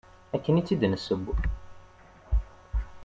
Akken i tt-id-nesseww.